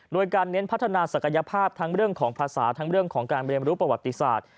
โดยการเน้นพัฒนาศักยภาพทั้งเรื่องของภาษาทั้งเรื่องของการเรียนรู้ประวัติศาสตร์